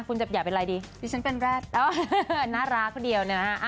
คุณจะอยากเป็นอะไรดีดิฉันเป็นแรดน่ารักคนเดียวนะฮะ